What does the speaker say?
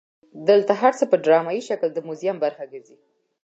دلته هر څه په ډرامایي شکل د موزیم برخه ګرځي.